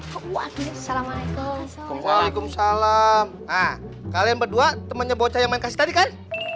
waaduh assalamualaikum waalaikumsalam kalian berdua temennya bocah yang kasih tadi kan